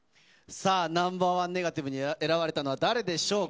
さあ、ナンバー１ネガティブに選ばれたのは誰でしょうか。